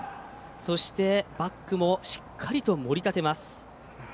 そして、バックもしっかりと、もり立てます。